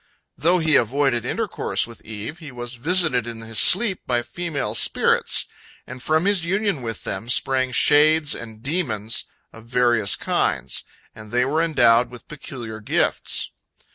" Though he avoided intercourse with Eve, he was visited in his sleep by female spirits, and from his union with them sprang shades and demons of various kinds, and they were endowed with peculiar gifts.